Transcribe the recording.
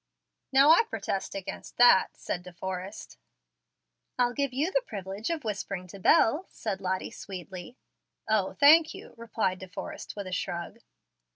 "Now I protest against that," said De Forrest. "I'll give you the privilege of whispering to Bel," said Lottie, sweetly. "O, thank you," replied De Forrest, with a shrug.